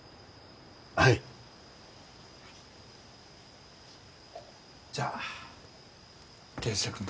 はいじゃあ圭介